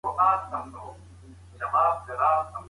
زه به سبا د سبا لپاره د نوټونو يادونه وکړم.